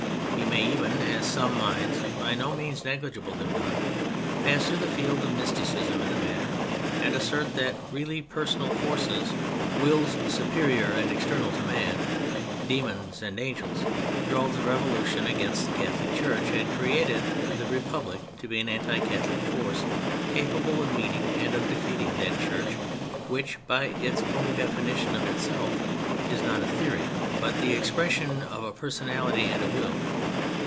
You may even (as some minds by no means negligible have done) pass into the field of mysticism in the matter, and assert that really personal forces, wills superior and external to man, Demons and Angels, drove the Revolution against the Catholic Church, and created The Republic to be an anti Catholic force capable of meeting and of defeating that Church, which (by its own definition of itself) is not a theory, but the expression of a Personality and a Will.